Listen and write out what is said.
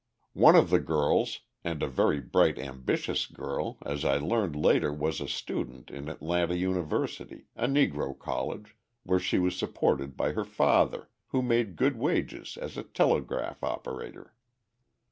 One of the girls and a very bright, ambitious girl as I learned later, was a student in Atlanta University, a Negro college, where she was supported by her father, who made good wages as a telegraph operator.